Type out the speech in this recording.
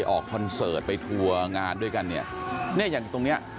คอนเสิร์ตไปทัวร์งานด้วยกันเนี่ยเนี่ยอย่างตรงเนี้ย